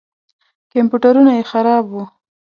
کمپیوټرونه یې خراب وو.